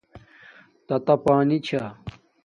تاتا ہانی چھا